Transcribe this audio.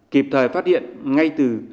kịp thời phát hiện ngay từ